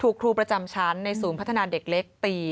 ครูประจำชั้นในศูนย์พัฒนาเด็กเล็กตี